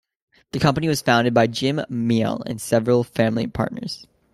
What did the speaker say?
The company was founded by Jim Miele and several family partners.